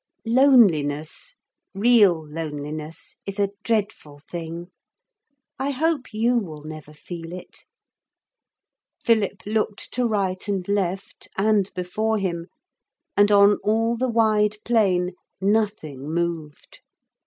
Loneliness, real loneliness is a dreadful thing. I hope you will never feel it. Philip looked to right and left, and before him, and on all the wide plain nothing moved.